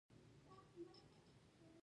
باد د ګلو نڅا ده